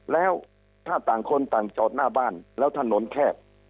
แล้วถ้าต่างคนต่างจอดหน้าบ้านแล้วถนนแคบ